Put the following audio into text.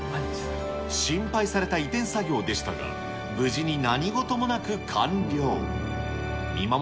心配された移転作業でしたが、無事に何事もなく完了。